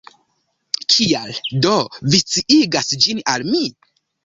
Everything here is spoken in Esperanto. Kial, do, vi sciigas ĝin al mi?